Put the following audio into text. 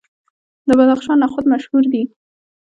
د بدخشان نخود مشهور دي.